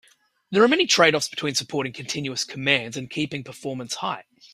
There are many trade-offs between supporting continuous commands and keeping performance high.